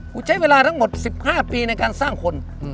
ใช้เวลาทั้งหมด๑๕ปีในการสร้างคน